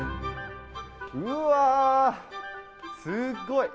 うわあ、すごい。